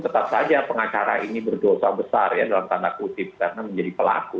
tetap saja pengacara ini berdosa besar ya dalam tanda kutip karena menjadi pelaku